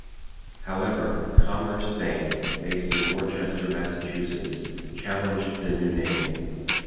However, "Commerce Bank" based in Worcester, Massachusetts challenged the new name.